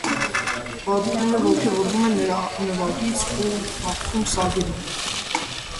Բադիկները ոգևորվում են նրա նվագից ու հաղթում սագերին։